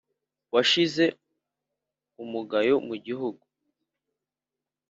Washize umugayo mu gihugu